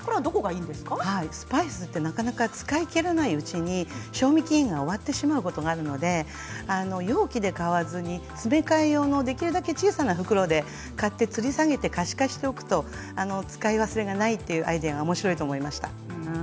スパイスは使い切らないうちに賞味期限が終わってしまうことがあるので容器で買わずに詰め替え用のできるだけ小さな袋で買って、つり下げて可視化しておくと使い忘れがないというアイデアがおもしろいと思いました。